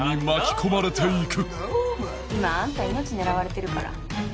今あんた命狙われてるから。